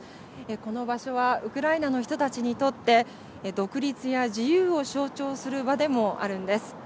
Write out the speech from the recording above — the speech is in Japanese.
この場所はウクライナの人たちにとって独立や自由を象徴する場でもあるんです。